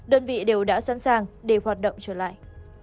đơn vị đều đã sẵn sàng để hoạt động trở lại